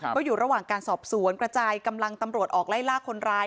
ก็อยู่ระหว่างการสอบสวนกระจายกำลังตำรวจออกไล่ล่าคนร้าย